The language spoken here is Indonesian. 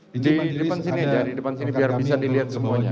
di depan sini dari depan sini biar bisa dilihat semuanya